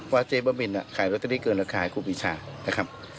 เจ๊บ้าบินขายลอตเตอรี่เกินราคาให้ครูปีชานะครับ